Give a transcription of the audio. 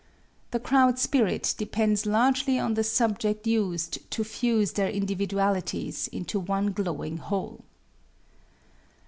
The crowd spirit depends largely on the subject used to fuse their individualities into one glowing whole.